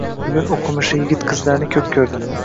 Bugun oʻqimishli yigit qizlarni koʻp koʻrdim.